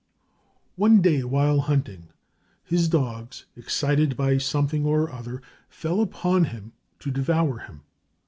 One day, while hunting, his dogs, excited by something or other, fell upon him to devour him.